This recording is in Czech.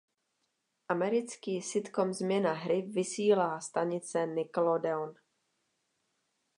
Americký sitcom "Změna hry" vysílá stanice Nickelodeon.